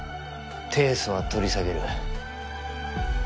提訴は取り下げる。